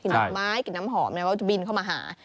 กลิ่นดอกไม้กลิ่นน้ำหอมไม่ว่าจะบินเข้ามาหา